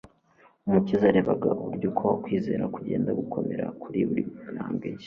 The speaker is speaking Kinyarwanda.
Umukiza yarebaga uburyo uko kwizera kugenda gukomera kuri buri ntambwe nshya